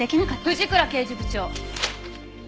藤倉刑事部長！